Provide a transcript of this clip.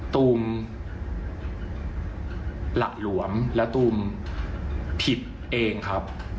ตุ้มหลักหลวมและตุ้มผิดเองครับ